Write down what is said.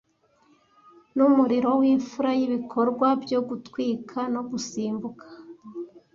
Numuriro wimfura yibikorwa byo gutwika no gusimbuka,